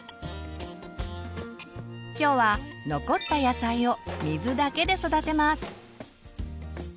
今日は残った野菜を水だけで育てます。